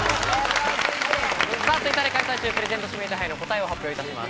ツイッターで開催中、プレゼント指名手配の答えを発表いたします。